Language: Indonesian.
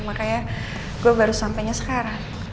makanya gue baru sampainya sekarang